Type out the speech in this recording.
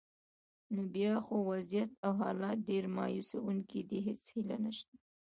نو بیا خو وضعیت او حالات ډېر مایوسونکي دي، هیڅ هیله نشته.